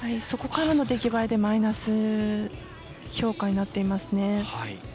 そこからの出来栄えでマイナス評価になっていますね。